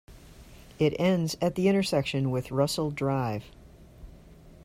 It ends at the intersection with Russell Drive.